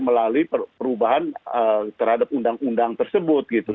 melalui perubahan terhadap undang undang tersebut gitu